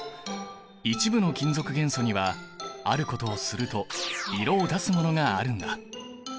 一部の金属元素にはあることをすると色を出すものがあるんだ。